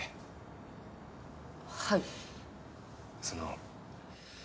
その。